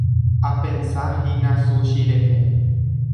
Apensahína sushi rehe.